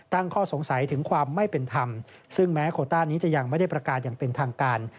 ตั้งข้อสงสัยถึงความไม่เป็นธรรมซึ่งแม้โคต้านี้จะยังไม่ได้ประกาศอย่างเป็นทางการ